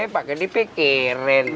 pak haji dipikirin